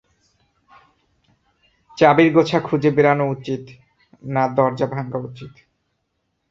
চাবির গোছা খুঁজে বেড়ানো উচিত, না দরজা ভাঙা উচিত।